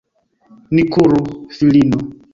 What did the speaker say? Ni kuru, filino!